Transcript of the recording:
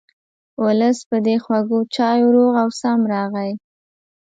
ولس په دې خوږو چایو روغ او سم راغی.